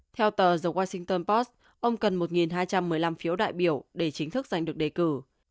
theo tờ dầu washington post ông cần một hai trăm một mươi năm phiếu đại biểu để chính thức giành được đề cử